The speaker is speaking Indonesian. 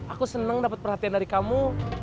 aku seneng dapet perhatian dari kamu